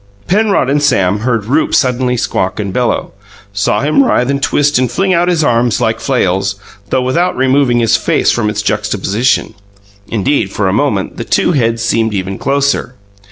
Penrod and Sam heard Rupe suddenly squawk and bellow; saw him writhe and twist and fling out his arms like flails, though without removing his face from its juxtaposition; indeed, for a moment, the two heads seemed even closer.